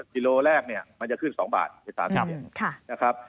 กิโลแรกมันจะขึ้น๒บาทเป็น๓๕บาท